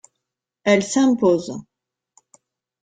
Elle s'impose.